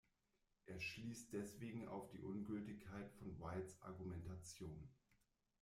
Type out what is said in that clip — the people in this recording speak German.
Er schließt deswegen auf die Ungültigkeit von Whites Argumentation.